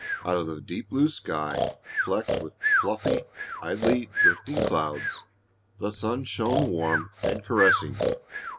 Out of the deep blue sky, flecked with fluffy, idly drifting clouds, the sun shone warm and caressing.